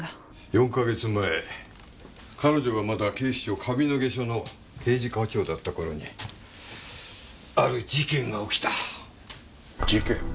４か月前彼女がまだ警視庁上野毛署の刑事課長だった頃にある事件が起きた。事件？